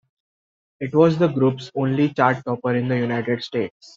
It was the group's only chart-topper in the United States.